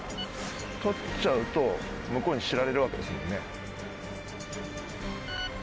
取っちゃうと向こうに知られるわけですもんね？